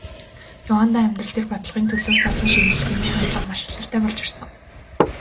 Яваандаа амьдрал дээр, бодлогын төлөөх задлан шинжилгээний хандлага маш алдартай болж ирсэн.